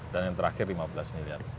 dan yang terakhir lima belas miliar